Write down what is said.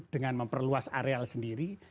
dengan memperluas areal sendiri